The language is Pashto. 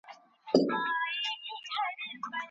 څه وخت دولتي شرکتونه ډیزل تیل هیواد ته راوړي؟